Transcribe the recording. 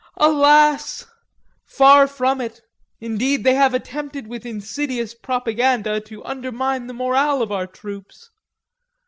Alas! Far from it. Indeed, they have attempted with insidious propaganda to undermine the morale of our troops...."